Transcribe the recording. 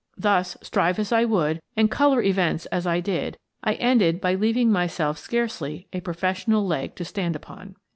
Thus, strive as I would, and colour events as I did, I ended by leaving myself scarcely a professional leg to stand upon.